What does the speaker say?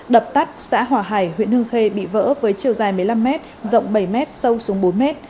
đập tắt xã hòa hải huyện hương khê bị vỡ với chiều dài một mươi năm mét rộng bảy m sâu xuống bốn m